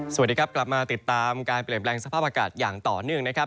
สวัสดีครับกลับมาติดตามการเปลี่ยนแปลงสภาพอากาศอย่างต่อเนื่องนะครับ